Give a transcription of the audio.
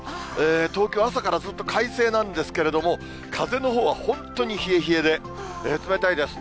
東京、朝からずっと快晴なんですけれども、風のほうは本当に冷え冷えで冷たいです。